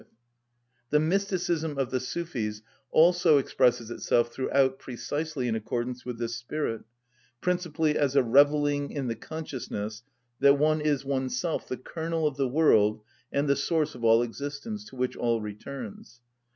465). The mysticism of the Sufis also expresses itself throughout precisely in accordance with this spirit, principally as a revelling in the consciousness that one is oneself the kernel of the world and the source of all existence, to which all returns.